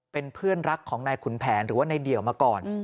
เป็นเพื่อนรักของนายขุนแผนหรือว่านายเดี่ยวมาก่อน